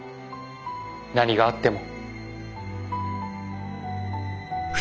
何があっても。